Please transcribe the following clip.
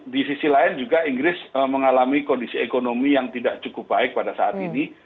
di sisi lain juga inggris mengalami kondisi ekonomi yang tidak cukup baik pada saat ini